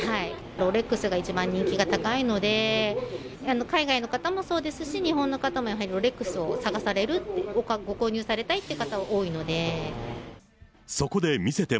ロレックスが一番人気が高いので、海外の方もそうですし、日本の方もやはりロレックスを探される、ご購入されたいっていう方が多いので。